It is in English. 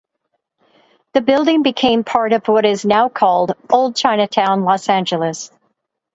The building became part of what is now called Old Chinatown Los Angeles.